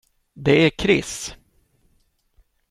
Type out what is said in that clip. Det är Chris.